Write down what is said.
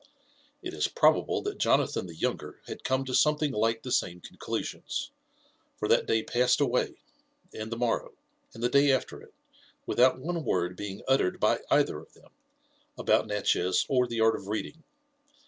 It is probable that Jonathan the younger had come to something like the same conclusions ; for that day passed away, and the morrow, and the day afier it, without one word being uttered by either of them about Natchez, or the art of reading.